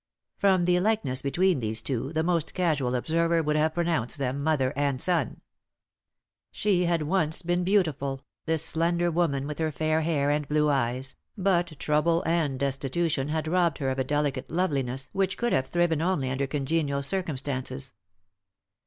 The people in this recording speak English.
From the likeness between these two, the most casual observer would have pronounced them mother and son. She had once been beautiful, this slender woman, with her fair hair and blue eyes, but trouble and destitution had robbed her of a delicate loveliness which could have thriven only under congenial circumstances.